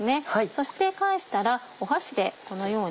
そして返したら箸でこのように。